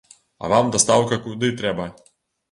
А вам дастаўка куды трэба?